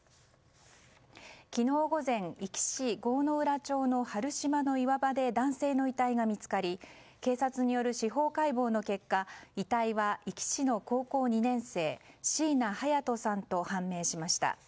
昨日午前、壱岐市郷ノ浦町の原島の岩場で男性の遺体が見つかり警察による司法解剖の結果遺体は壱岐市の高校２年生椎名隼都さんと判明しました。